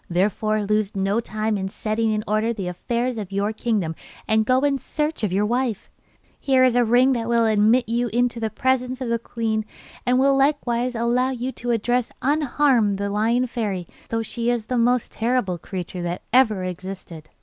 Therefore lose no time in setting in order the affairs of your kingdom and go in search of your wife. Here is a ring that will admit you into the presence of the queen, and will likewise allow you to address unharmed the Lion Fairy, though she is the most terrible creature that ever existed.